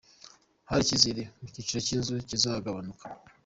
Hari icyizere ko igiciro cy’inzu kizagabanuka